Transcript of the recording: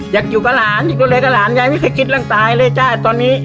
อยากอยู่กับหลานอยากดูแลกับหลานยายไม่เคยคิดเรื่องตายเลยจ้าตอนนี้